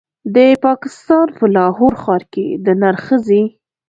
د پاکستان په لاهور ښار کې د نرښځې